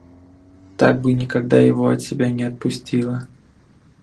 Так бы никогда его от себя не отпустила